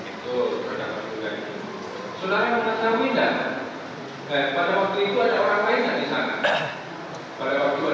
terhadap abdul ghani betul